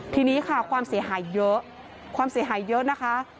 ทีนี้ค่ะความเสียหายเยอะความเสียหายเยอะนะคะ